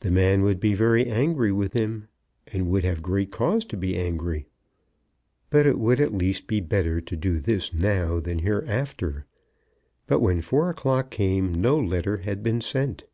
The man would be very angry with him, and would have great cause to be angry. But it would at least be better to do this now than hereafter. But when four o'clock came no letter had been sent.